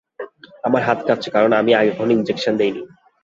আমার হাত কাঁপছে কারণ আমি আগে কখনো ইনজেকশন দিইনি।